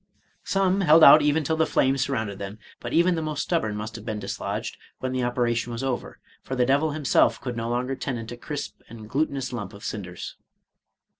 Some held out even till the flames surrounded them; but even the most stubborn must have been dislodged when the operation was over, for the devil himself could no longer tenant a crisp and glutinous lump of cinders.